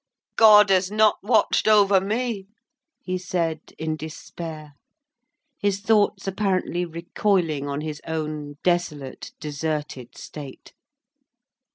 "God has not watched over me," he said, in despair; his thoughts apparently recoiling on his own desolate, deserted state.